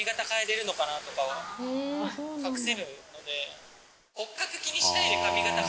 隠せるので。